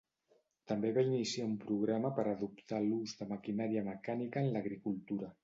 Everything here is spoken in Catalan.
També va iniciar un programa per adoptar l'ús de maquinària mecànica en l'agricultura.